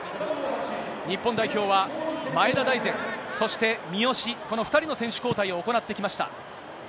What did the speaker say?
日本代表は前田大然、そして三好、この２人の選手交代を行ってきました。